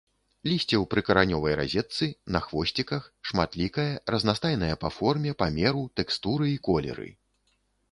Лісце ў прыкаранёвай разетцы, на хвосціках, шматлікае, разнастайнае па форме, памеру, тэкстуры і колеры.